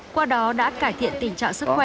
qua đó đã cải thiện tình trạng sức khỏe